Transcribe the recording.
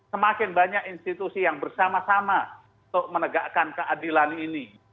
semakin banyak institusi yang bersama sama untuk menegakkan keadilan ini